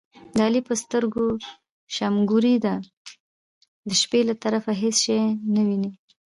د علي په سترګو شمګوري ده، د شپې له طرفه هېڅ شی نه ویني.